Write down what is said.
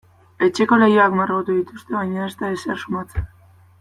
Etxeko leihoak margotu dituzte baina ez da ezer sumatzen.